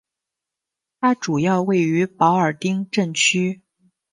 它主要位于保尔丁镇区。